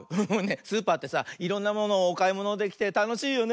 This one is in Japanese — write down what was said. スーパーってさいろんなものをおかいものできてたのしいよね。